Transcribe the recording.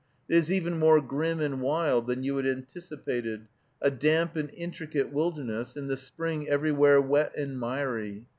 It is even more grim and wild than you had anticipated, a damp and intricate wilderness, in the spring everywhere wet and miry.